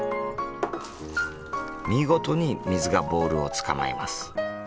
見事に水がボールを捕まえます。